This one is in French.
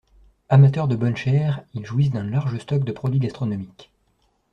Amateurs de bonne chère, ils jouissent d'un large stock de produits gastronomiques.